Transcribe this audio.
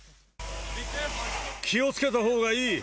気をつけたほうがいい。